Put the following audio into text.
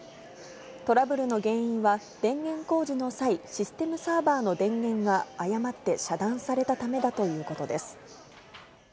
トラブルの原因は、電源工事の際、システムサーバーの電源が誤って遮断されたためだということです。